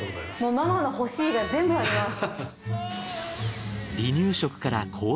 ママの欲しいが全部あります。